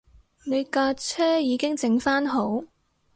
你架車已經整番好